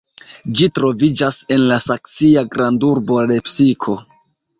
Ĝi troviĝas en la saksia grandurbo Lepsiko.